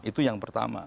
itu yang pertama